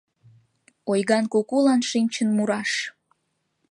Ойган кукулан шинчын мураш.